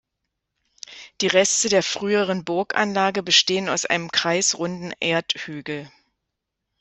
Die Reste der früheren Burganlage bestehen aus einem kreisrunden Erdhügel.